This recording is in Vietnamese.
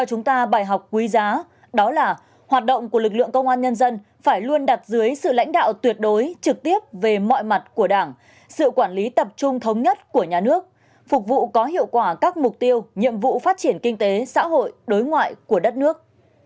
công an nhân dân phải luôn đặt dưới sự lãnh đạo tuyệt đối trực tiếp về mọi mặt của đảng sự quản lý tập trung thống nhất của nhà nước phục vụ có hiệu quả các mục tiêu nhiệm vụ phát triển kinh tế xã hội đối ngoại của đất nước